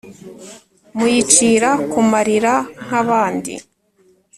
muyicira kumarira nk'abandi